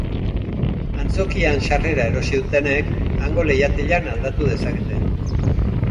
Antzokian sarrera erosi dutenek hango lehiatilan aldau dezakete.